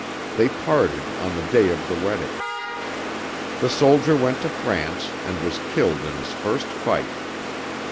They parted on the day of the wedding. The soldier went to France and was killed in his first fight.